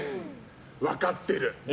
分かってる。